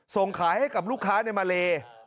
ส่งขายให้กับลูกค้าในมาเล